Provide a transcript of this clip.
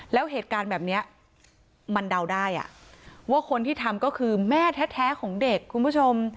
แล้วเหตุการณ์แบบนี้มันเดาได้ว่าคนที่ทำก็คือแม่แท้ของเด็กคุณผู้ชม